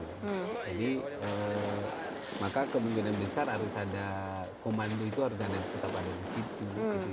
jadi maka kemungkinan besar harus ada komando itu harus tetap ada disitu